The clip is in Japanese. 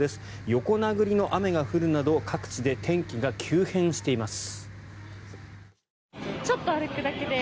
横殴りの雨が降るなど各地で天気が急変しています。